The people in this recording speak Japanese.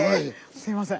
すいません。